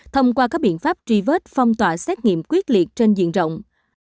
thông qua các biện pháp truy vết phong tỏa xét nghiệm quyết liệt trên diện rộng